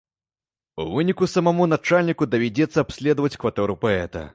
У выніку самаму начальніку давядзецца абследаваць кватэру паэта.